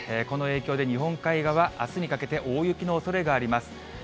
この影響で、日本海側、あすにかけて大雪のおそれがあります。